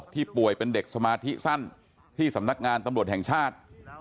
ป่วยเป็นเด็กสมาธิสั้นที่สำนักงานตำรวจแห่งชาติ